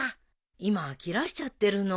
今切らしちゃってるの。